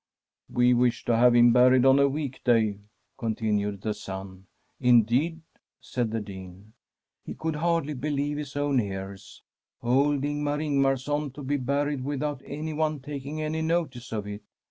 ' We wish to have him buried on a week day,' continued the son. ' Indeed I ' said the Dean. He could hardly believe his own ears. Old Ingmar Ingmarson to be buried without anyone taking any notice of it